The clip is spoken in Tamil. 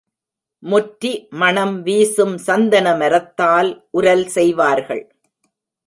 முற்றி மணம் வீசும் சந்தனமரத்தால் உரல் செய்வார்கள்.